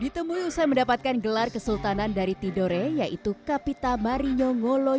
ditemui usai mendapatkan gelar kesultanan dari tidore yaitu kapita mario ngolo